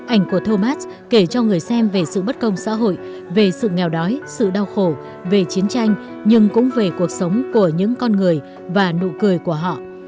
ảnh của thomas kể cho người xem về sự bất công xã hội về sự nghèo đói sự đau khổ về chiến tranh nhưng cũng về cuộc sống của những con người và nụ cười của họ